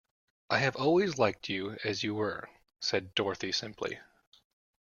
"I have always liked you as you were," said Dorothy, simply.